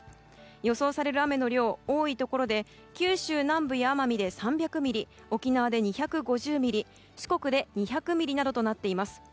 予想される雨の量多いところで九州南部や奄美で３００ミリ沖縄で２５０ミリ四国で２００ミリなどとなっています。